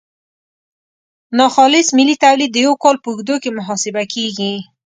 ناخالص ملي تولید د یو کال په اوږدو کې محاسبه کیږي.